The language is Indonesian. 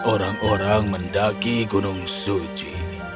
orang orang mendaki gunung suci